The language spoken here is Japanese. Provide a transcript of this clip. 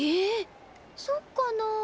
そっかな？